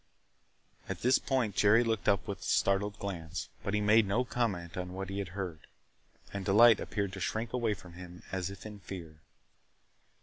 At this point Jerry looked up with a startled glance, but he made no comment on what he had heard. And Delight appeared to shrink away from him as if in fear.